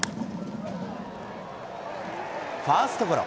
ファーストゴロ。